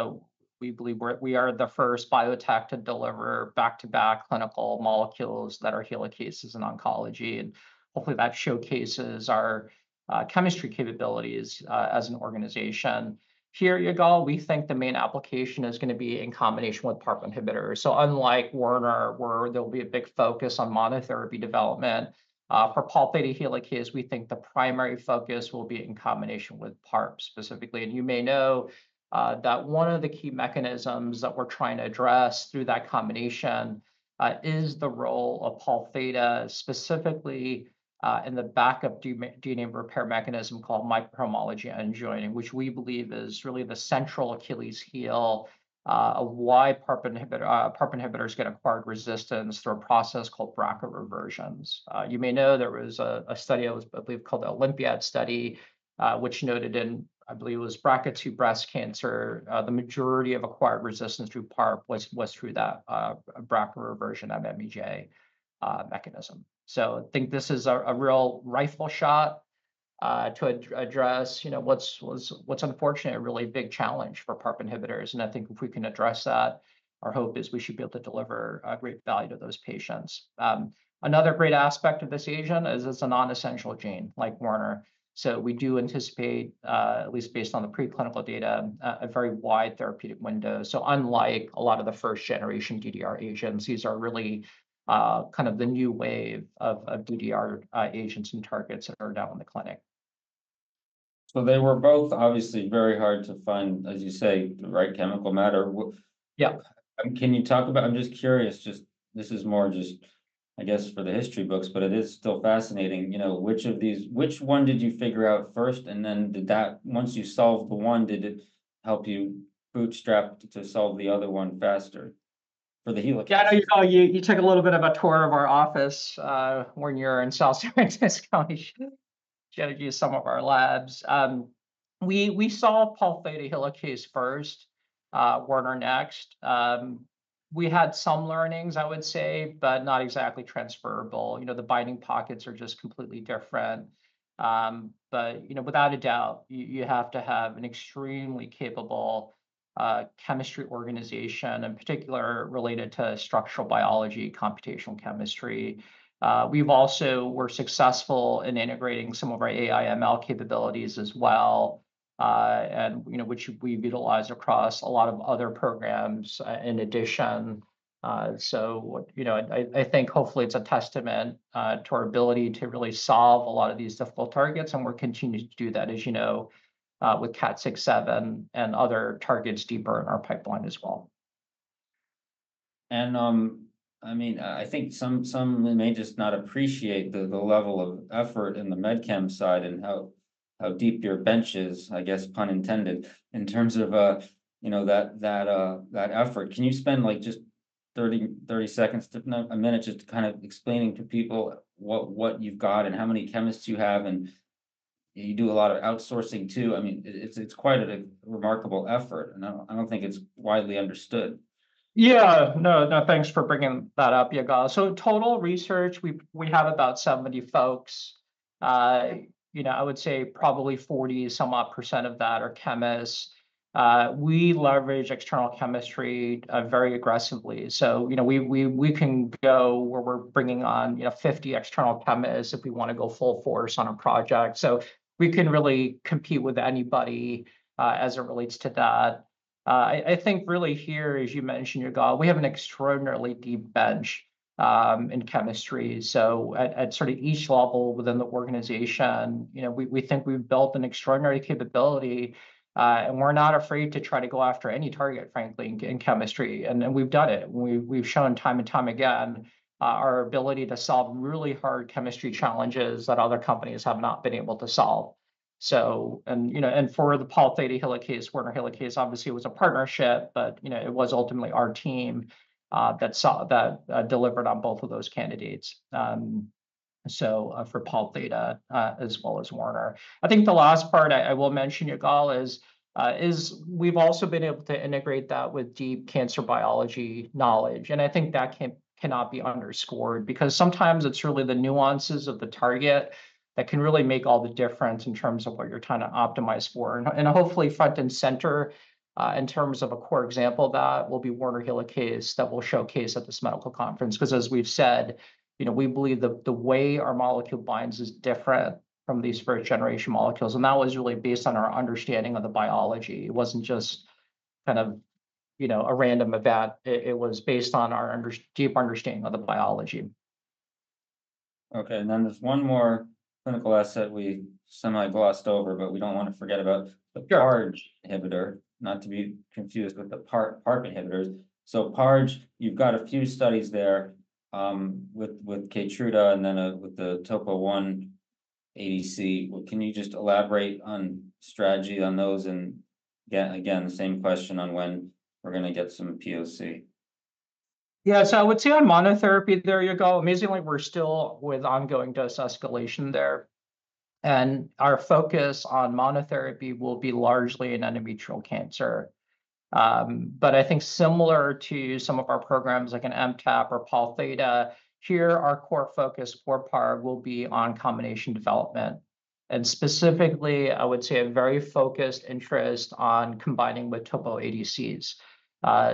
we believe we are the first biotech to deliver back to back clinical molecules that are helicases in oncology and hopefully that showcases our chemistry capabilities as an organization. Here, Yigal, we think the main application is going to be in combination with PARP inhibitors. So unlike Werner, where there will be a big focus on monotherapy development for Pol Theta helicase, we think the primary focus will be in combination with PARP specifically. You may know that one of the key mechanisms that we're trying to address through that combination is the role of Pol Theta specifically in the backup DNA repair mechanism called microhomology-mediated end joining, which we believe is really the central Achilles heel of why PARP inhibitors get acquired resistance through a process called BRCA reversions. You may know there was a study I believe called the OlympiA study, which noted in, I believe it was BRCA2 breast cancer. The majority of acquired resistance through PARP was through that, a BRCA reversion of MMEJ mechanism. So I think this is a real rifle shot to address, you know, what was unfortunate, a really big challenge for PARP inhibitors. I think if we can address that, our hope is we should be able to deliver great value to those patients. Another great aspect of this agent is it's a non-essential gene like Werner. So we do anticipate, at least based on the preclinical data, a very wide therapeutic window. So unlike a lot of the first generation DDR agents, these are really kind of the new wave of DDR agents and targets that are now in the clinic. So they were both obviously very hard to find, as you say, the right chemical matter. Yeah. Can you talk about? I'm just curious, just this is more just I guess for the history books, but it is still fascinating, you know, which of these, which one did you figure out first and then did that once you solve the one, did it help you bootstrap to solve the other one faster for the helicase? Yeah, I know you took a little bit of a tour of our office when you were in South San Francisco, showed you some of our labs. We solved Pol Theta helicase first, Werner next. We had some learnings, I would say, but not exactly transferable. You know, the binding pockets are just completely different. But without a doubt you have to have an extremely capable chemistry organization in particular related to structural biology, computational chemistry. We've also were successful in integrating some of our AI/ML capabilities as well and you know, which we've utilized across a lot of other programs in addition. So, you know, I think hopefully it's a testament to our ability to really solve a lot of these difficult targets. We're continuing to do that as you know, with KAT6/7 and other targets deeper in our pipeline as well. I mean, I think some may just not appreciate the level of effort in the med chem side and how deep your bench is, I guess, pun intended in terms of. That effort, can you spend just 30 seconds a minute just kind of explaining to people what you've got and how many chemists you have, and you do a lot of outsourcing too. I mean, it's quite a remarkable effort and I don't think it's widely understood. Yeah, no, no, thanks for bringing that up, Yigal. So, total research, we have about 70 folks, you know, I would say probably 40% of that are chemists. We leverage external chemistry very aggressively. So, you know, we can go where we're bringing on, you know, 50 external chemists if we want to go full force on a project. So we can really compete with anybody as it relates to that. I think, really, here, as you mentioned, Yigal, we have an extraordinarily deep bench in chemistry., So at each level within the organization, we think we've built an extraordinary capability and we're not afraid to try to go after any target, frankly, in chemistry. And we've done it. We've shown time and time again our ability to solve really hard chemistry challenges that other companies have not been able to solve. So. And you know, and for the Pol Theta helicase, Werner helicase, obviously it was a partnership, but you know, it was ultimately our team that saw that delivered on both of those candidates. So for Pol Theta as well as Werner, I think the last part I will mention, Yigal, is we've also been able to integrate that with deep cancer biology knowledge. And I think that cannot be underscored because sometimes it's really the nuances of the target that can really make all the difference in terms of what you're trying to optimize for. And hopefully front and center in terms of a core example of that will be Werner helicase that we'll showcase at this medical conference. Because as we'veYisaid, we believe the way our molecule binds is different from these first generation molecules. That was really based on our understanding of the biology. It wasn't just. A random event. It was based on our deep understanding of the biology. Okay. And then there's one more clinical asset we semi glossed over, but we don't want to forget about the PARG inhibitor, not to be confused with the PARP inhibitors. So PARG, you've got a few studies there with Keytruda and then with the Topo1-ADC. Can you just elaborate on strategy on those? And again, the same question on when we're going to get some data. Yeah. So I would say on monotherapy, there you go. Amazingly we're still with ongoing dose escalation there and our focus on monotherapy will be largely in endometrial cancer. But I think similar to some of our programs like an MTAP or Pol Theta here, our core focus for PARG will be on combination development and specifically I would say a very focused interest on combining with Topo ADCs.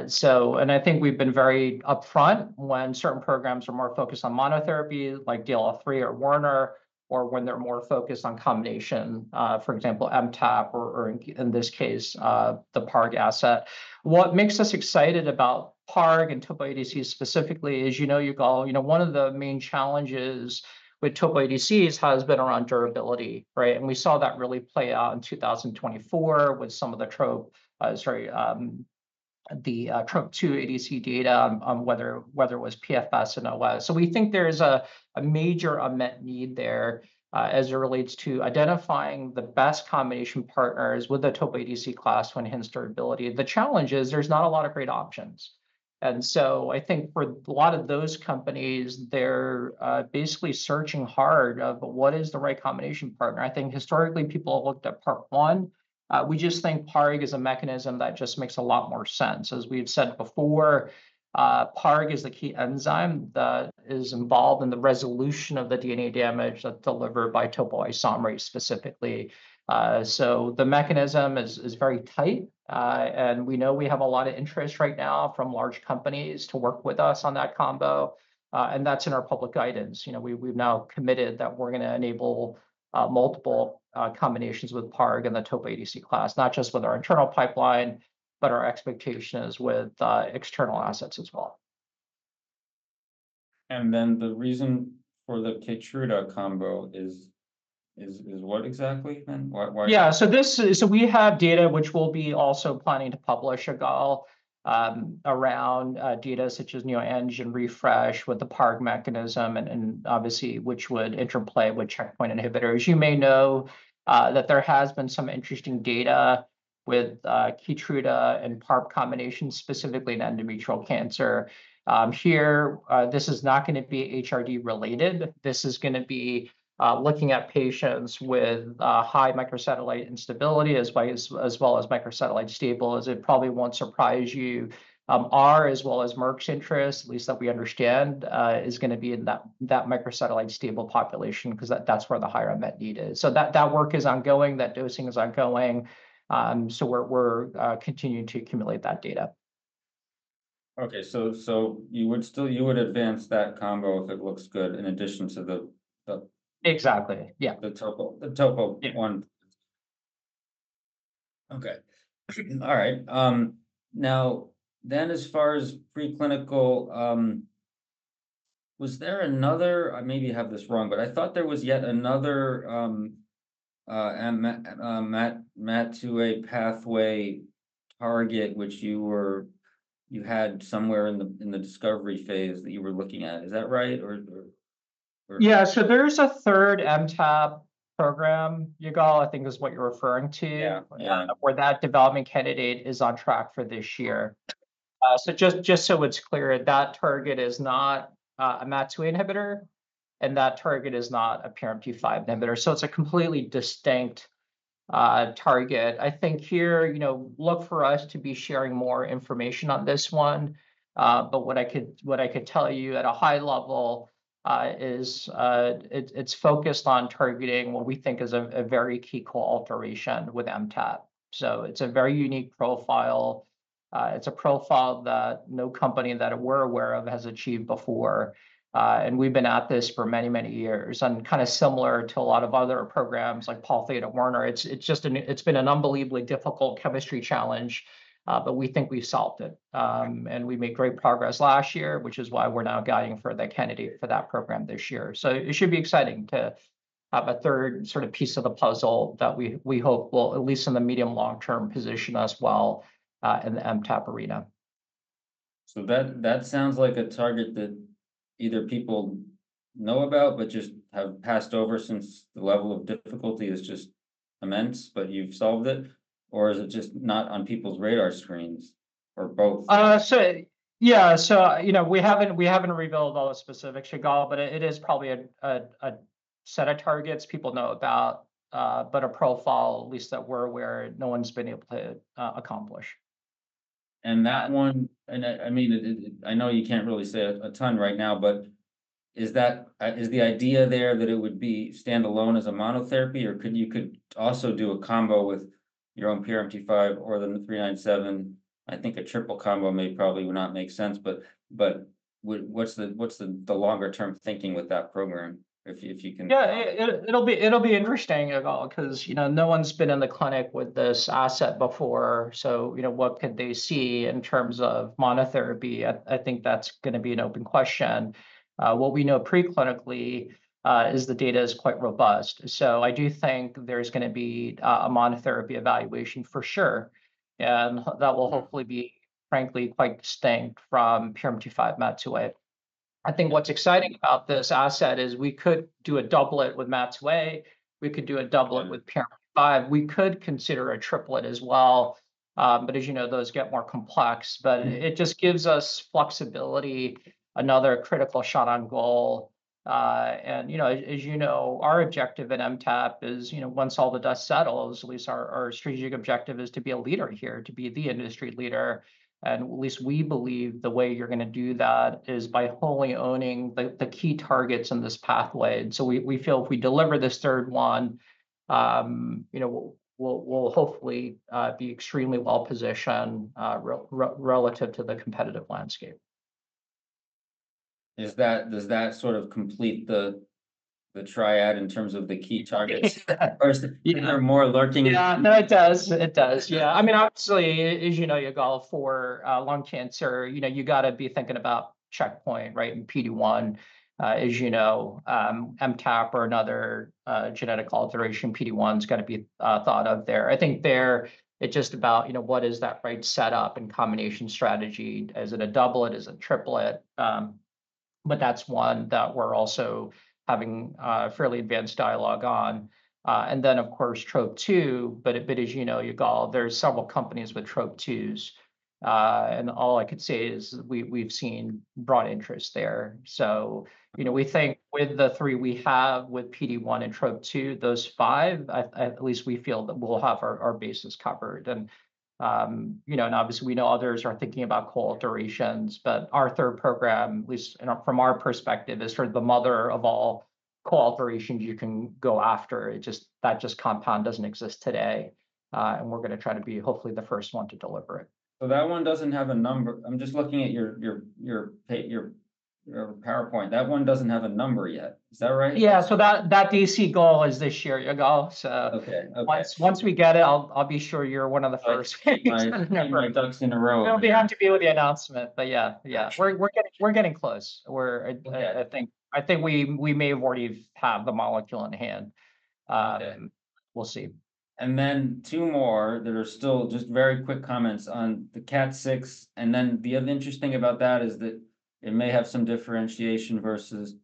So, and I think we've been very upfront when certain programs are more focused on monotherapy like DLL3 or Werner, or when they're more focused on combination, for example MTAP or in this case the PARG asset. What makes us excited about PARG and Topo ADC specifically is, you know, goal. You know, one of the main challenges with Topo ADCs has been around durability, right. And we saw that really play out in 2024 with some of the TROP, sorry, the TROP2 ADC data, whether it was PFS and OS. So we think there is a major unmet need there as it relates to identifying the best combination partners with the topo ADC class to enhance durability. The challenge is there's not a lot of great options. And so I think for a lot of those companies, they're basically searching hard of what is the right combination partner. I think historically people looked at PARP1, we just think PARG is a mechanism that just makes a lot more sense. As we've said before, PARG is the key enzyme that is involved in the resolution of the DNA damage that delivered by topoisomerase specifically. The mechanism is very tight and we know we have a lot of interest right now from large companies to work with us on that combo. That's in our public guidance. You know, we've now committed that we're going to enable multiple combinations with PARG and the Topo ADC class, not just with our internal pipeline, but our expectations with external assets as well. And then the reason for the Keytruda combo is what exactly? Yeah, so this. So we have data which we'll be also planning to publish all around data such as neoantigen refresh with the PARP mechanism and obviously which would interplay with checkpoint inhibitors. You may know that there has been some interesting data with Keytruda and PARP combinations specifically in endometrial cancer here. This is not going to be HRD related. This is going to be looking at patients with high microsatellite instability as well as microsatellite stable, as it probably won't surprise you, ours as well as Merck's interest, at least that we understand is going to be in that microsatellite stable population because that's where the higher unmet need is. So that work is ongoing, that dosing is ongoing. So we're continuing to accumulate that data. Okay, so you would still, you would advance that combo if it looks good, in addition to the. Exactly, yeah, The Topo1. Okay. All right. Now then, as far as preclinical. Was there another? I maybe have this wrong, but I thought there was yet another. MAT2A pathway target, which you had somewhere in the discovery phase that you were looking at. Is that right or? Yeah. So there's a third MTAP program, Yigal, I think is what you're referring to, where that development candidate is on track for this year. So just so it's clear, that target is not a MAT2 inhibitor and that target is not a PRMT5 inhibitor. So it's a completely distinct target. I think here, you know, look for us to be sharing more information on this one. But what I could tell you at a high level is it's focused on targeting what we think is a very key co alteration with MTAP. So it's a very unique profile. It's a profile that no company that we're aware of has achieved before. And we've been at this for many, many years and kind of similar to a lot of other programs like Pol Theta, Werner. It's been an unbelievably difficult chemistry challenge, but we think we've solved it and we made great progress last year, which is why we're now guiding for the candidate for that program this year. So it should be exciting to have a third sort of piece of the puzzle that we hope will, at least in the medium long term, position us well in the MTAP arena. So that, that sounds like a target that either people know about but just have passed over since the level of difficulty is just immense, but you've solved it or is it just not on people's radar screens or both? Yeah, you know, we haven't revealed all the specific Yigal, but it is probably a set of targets people know about, but a profile at least that we're aware no one's been able to accomplish. And that one, and I mean, I know you can't really say a ton right now, but is that, is the idea there that it would be standalone as a monotherapy, or could you also do a combo with your own PRMT5 or the IDE397? I think a triple combo may probably would not make sense, but. But what's the longer?term thinking with that program, if you can. Yeah, it'll be interesting at all because, you know, no one's been in the clinic with this asset before. So, you know, what could they see in terms of monotherapy? I think that's going to be an open question. What we know preclinically is the data is quite robust. So I do think there's going to be a monotherapy evaluation for sure. And that will hopefully be frankly quite distinct from PRMT5 MAT2A. I think what's exciting about this asset is we could do a doublet with MAT2A. We could do a doublet with PRMT5. We could consider a triplet as well. But as you know, those get more complex, but it just gives us flexibility, another critical shot on goal. You know, as you know, our objective at MTAP is, you know, once all the dust settles, at least our strategic objective is to be a leader here, to be the industry. At least we believe the way you're going to do that is by wholly owning the key targets in this pathway. So we feel if we deliver this third one, you know, we'll hopefully be extremely well positioned relative to the competitive landscape. Does that sort of complete the triad in terms of the key targets, or are more lurking? Yeah, no, it does, it does, yeah. I mean, obviously, as you know, you go for lung cancer, you know, got to be thinking about checkpoint, right? In PD-1. As you know, MTAP or another genetic alteration, PD-1 is going to be thought of there. I think there it's just about, you know, what is that, right? Setup and combination strategy. Is it a doublet? Is it triplet? But that's one that we're also having fairly advanced dialogue on. And then of course TROP2. But a bit, as you know, Yigal, there are several companies with TROP2s. And all I could say is we've seen broad interest there. So, you know, we think with the three we have with PD-1 and TROP2, those five, at least we feel that we'll have our bases covered. And you know, and obviously we know others are thinking about co-alterations. Our third program, at least from our perspective, is sort of the mother of all co-alterations. You can go after it. Just that compound doesn't exist today, and we're going to try to be hopefully the first one to deliver it. So that one doesn't have a number. I'm just looking at your PowerPoint. That one doesn't have a number yet. Is that right? Yeah. So that DC goal is this year you know. So okay, once we get it, I'll be sure you're one of. The first get your ducks in a row. I'll be happy to be with the announcement. But yeah, we're getting close. I think we may already have the molecule in hand. We'll see. And then two more that are still just very quick comments on the KAT6. And then the other interesting about that is that it may have some differentiation versus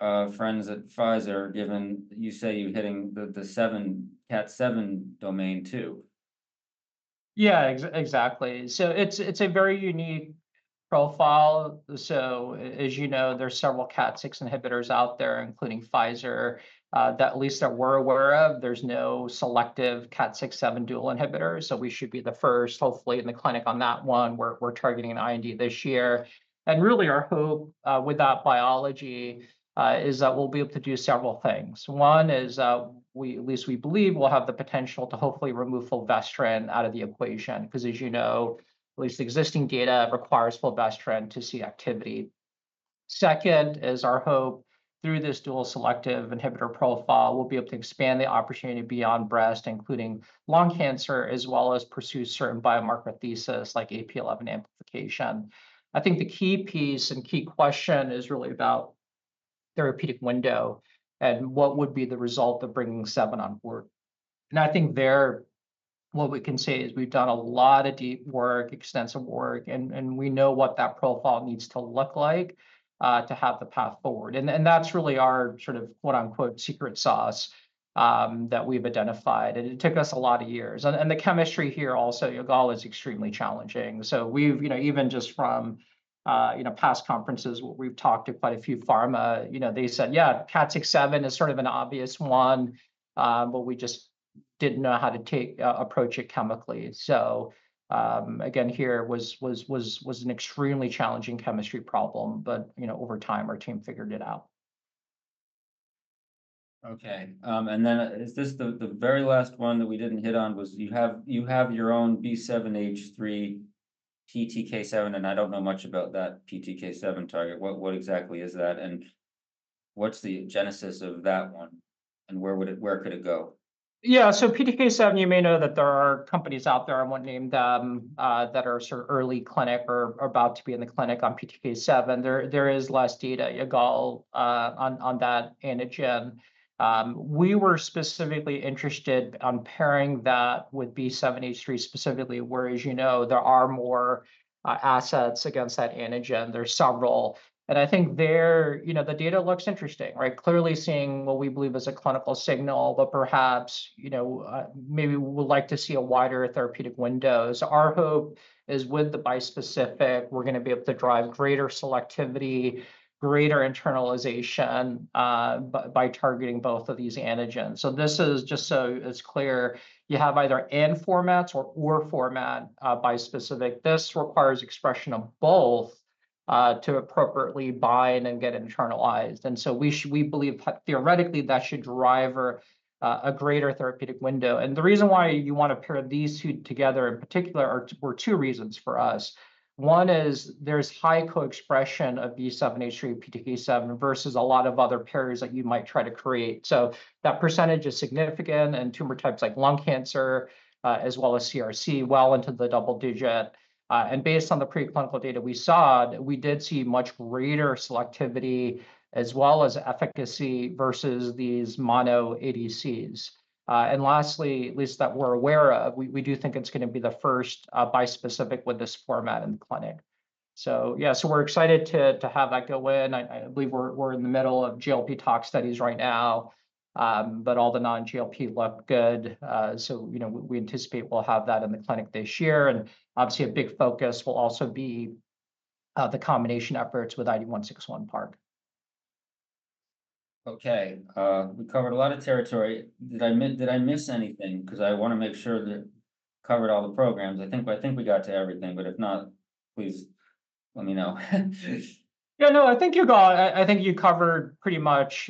Pfizer's. Given you say you hitting the KAT7 domain too. Yeah, exactly. So it's a very unique profile. So as you know there's several KAT6 inhibitors out there, including Pfizer that we're aware of. There's no selective KAT6/7 dual inhibitors. So we should be the first hopefully in the clinic on that one. We're targeting an IND this year and really our hope with that biology is that we'll be able to do several things. One is, at least, we believe we'll have the potential to hopefully remove fulvestrant out of the equation because as you know, at least existing data requires fulvestrant to see activity. Second is our hope through this dual selective inhibitor profile we'll be able to expand the opportunity beyond breast including lung cancer as well as pursue certain biomarker thesis like 8p11 amplification. I think the key piece and key question is really about therapeutic window and what would be the result of bringing seven on board. I think there what we can say is we've done a lot of deep work, extensive work and we know what that profile needs to look like to have the path forward. That's really our sort of quote unquote secret sauce that we've identified and it took us a lot of years and the chemistry here also Yigal is extremely challenging. So we've, you know, even just from you know, past conferences we've talked to quite a few pharma, you know, they said yeah, KAT6/7 is sort of an obvious one but we just didn't know how to approach it chemically. So again here was an extremely challenging chemistry problem. But over time our team figured it out. Okay, and then, is this the very last one that we didn't hit on, was you have your own B7-H3, PTK7 and I don't know much about that PTK7 target? What exactly is that, and what's the genesis of that one, and where could it go? Yeah, so PTK7 you may know that there are companies out there. I won't name them that are sort of early clinic or about to be in the clinic on PTK7. There is less data. On that antigen, we were specifically interested in pairing that with B7-H3 specifically, whereas, as you know, there are more assets against that antigen. There's several, and I think their data looks interesting. Clearly seeing what we believe is a clinical signal, but perhaps maybe we'd like to see a wider therapeutic window. Our hope is with the bispecific, we're going to be able to drive greater selectivity, greater internalization by targeting both of these antigens. This is just so it's clear you have either/or formats or bispecific format. This requires expression of both to appropriately bind and get internalized, and so we should, we believe, theoretically that should drive a greater therapeutic window, and the reason why you want to pair these two together in particular were two reasons for us. One is there's high co-expression of B7-H3 PTK7 versus a lot of other pairs that you might try to create. So that percentage is significant. Tumor types like lung cancer as well as CRC well into the double digits. Based on the preclinical data we saw, we did see much greater selectivity as well as efficacy versus these mono ADCs. Lastly, at least that we're aware of, we do think it's going to be the first bispecific with this format in the clinic. So yeah, so we're excited to have that go in. I believe we're in the middle of GLP tox studies right now, but all the non-GLP look good so we anticipate we'll have that in the clinic this year. Obviously a big focus will also be the combination efforts with IDE161 PARG. Okay, we covered a lot of territory. Did I, did I miss anything? Because I want to make sure that covered all the programs. I think, I think we got to everything but if not, please let me know. Yeah, no, I think you got it. I think you covered pretty much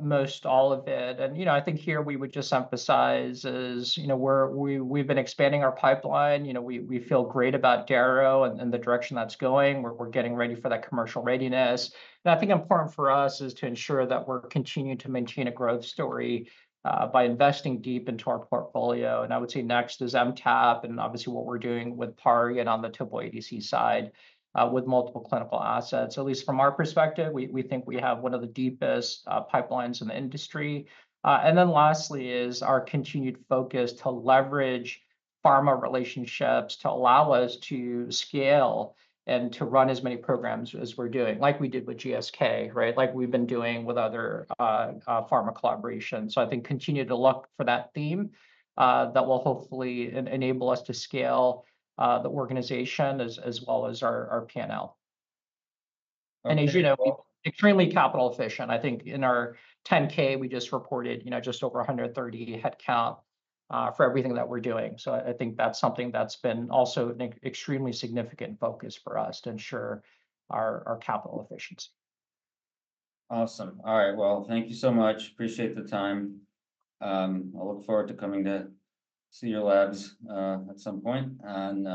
most all of it. You know, I think here we would just emphasize is, you know, we've been expanding our pipeline. You know, we feel great about darovasertib direction that's going. We're getting ready for that commercial readiness, and I think important for us is to ensure that we're continuing to maintain a growth story by investing deep into our portfolio. I would say next is MTAP. Obviously what we're doing with PARG and on the Topo ADC side with multiple clinical assets, at least from our perspective, we think we have one of the deepest pipelines in the industry. Then lastly is our continued focus to leverage pharma relationships to allow us to scale and to run as many programs as we're doing. Like we did with GSK. Right. Like we've been doing with other pharma collaborations. So I think continue to look for that theme that will hopefully enable us to scale the organization as well as our P&L. And, as you know, extremely capital efficient. I think in our 10-K, we just reported, you know, just over 130 headcounts for everything that we're doing. So I think that's something that's been also an extremely significant focus for us to ensure our capital efficiency. Awesome. All right, well, thank you so much. Appreciate the time. I look forward to coming to see your labs at some point and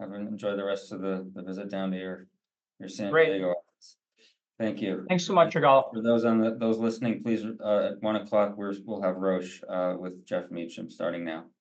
enjoy the rest of the visit down here, your San Diego office. Thank you. Thanks so much. For those listening, please, at 1 o'clock, we'll have Roche with Geoff Meacham starting now.